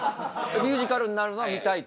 ミュージカルになるのが見たいと。